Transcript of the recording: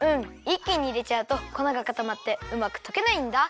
いっきにいれちゃうとこながかたまってうまくとけないんだ。